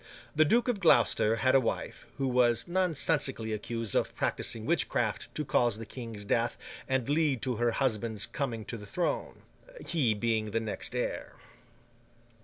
The Duke of Gloucester had a wife, who was nonsensically accused of practising witchcraft to cause the King's death and lead to her husband's coming to the throne, he being the next heir.